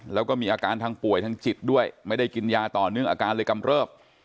แล้วก็มีอาการทางป่วยทางจิตด้วยไม่ได้กินยาต่อเนื่องอาการเลยกำเริบ